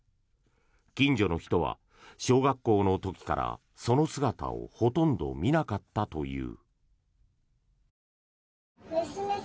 近所の人は小学校の時からその姿をほとんど見なかったという。